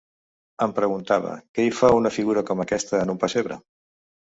Em preguntava: què hi fa una figura com aquesta, en un pessebre?